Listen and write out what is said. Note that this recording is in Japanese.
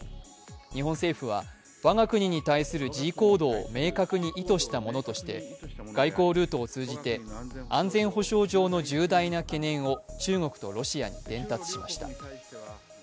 日本政府は我が国に対する示威行動を明確に意図したものとして、外交ルートを通じて、安全保障上の重大な懸念を中国とロシアに伝達しました。